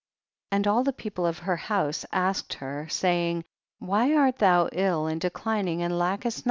37. And all the people of her house asked her, saying, why art thou ill and declining, and lackest nothing